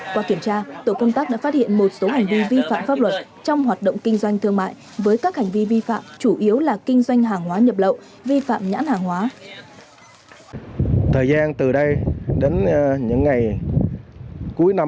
qua kiểm tra tổ công tác đã phát hiện một số hành vi vi phạm pháp luật trong hoạt động kinh doanh thương mại với các hành vi vi phạm chủ yếu là kinh doanh hàng hóa nhập lậu vi phạm nhãn hàng hóa